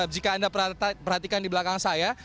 jika anda perhatikan di belakang saya